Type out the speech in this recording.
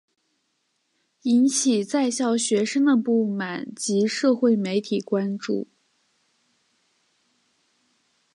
引起在校学生的不满及社会媒体关注。